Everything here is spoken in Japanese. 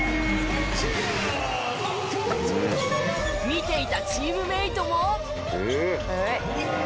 見ていたチームメートも。